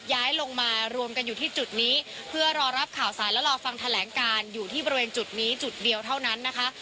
ย้ายลงมารวมกันอยู่ที่จุดนี้เพื่อรอรับข่าวสารและรอฟังแถลงการอยู่ที่บริเวณจุดนี้จุดเดียวเท่านั้นนะคะ